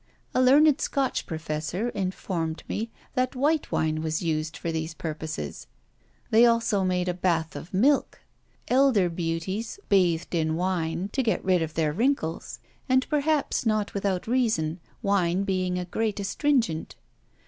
A learned Scotch professor informed me that white wine was used for these purposes. They also made a bath of milk. Elder beauties bathed in wine, to get rid of their wrinkles; and perhaps not without reason, wine being a great astringent.